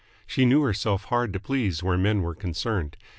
She knew herself hard to please where men were concerned.